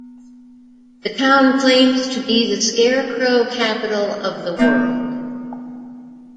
The town claims to be the Scarecrow capital of the World.